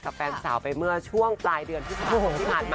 แฟนสาวไปเมื่อช่วงปลายเดือนพฤษภาคมที่ผ่านมา